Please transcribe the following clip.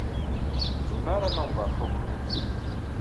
Melmi ara naweḍ ɣer Tokyo?